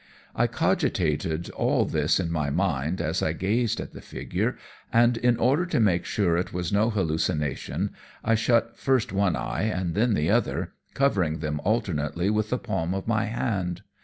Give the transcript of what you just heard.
I cogitated all this in my mind as I gazed at the figure, and in order to make sure it was no hallucination, I shut first one eye and then the other, covering them alternately with the palm of my hand.